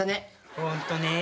ホントね。